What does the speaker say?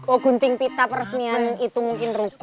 oh gunting pita peresmian itu mungkin rupa